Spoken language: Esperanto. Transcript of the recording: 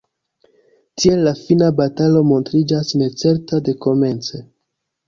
Tiel la fina batalo montriĝas necerta dekomence,